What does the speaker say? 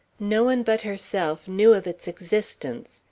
No one but herself knew of its existence.